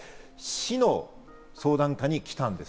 市の相談課に来たんです。